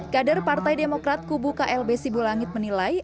kader partai demokrat kubu klb sibulangit menilai